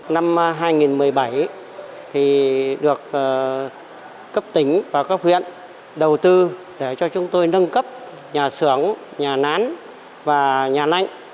năm hai nghìn một mươi bảy được cấp tỉnh và các huyện đầu tư để cho chúng tôi nâng cấp nhà xưởng nhà nán và nhà lãnh